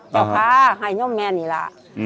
เจ้าข้าให้น้องแม่นี่แหละ